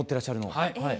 はい。